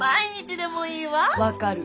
分かる。